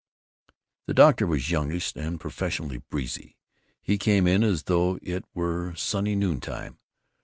The doctor was youngish and professionally breezy. He came in as though it were sunny noontime.